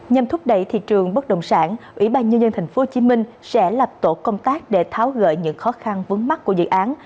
nhằm thúc đẩy thị trường bất đồng sản ủy ban nhân dân thành phố hồ chí minh sẽ lập tổ công tác để tháo gợi những khó khăn vấn mắc của dự án